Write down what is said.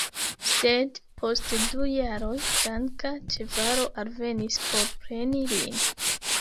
Sed, post du jaroj, blanka ĉevalo alvenis por preni lin.